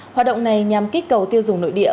hoạt động này nhằm kích cầu tiêu dùng nội địa